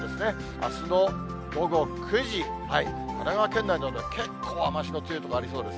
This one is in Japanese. あすの午後９時、神奈川県内など結構、雨足の強い所ありそうです。